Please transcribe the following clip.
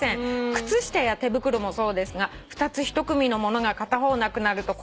「靴下や手袋もそうですが２つ１組のものが片方なくなると困りますね」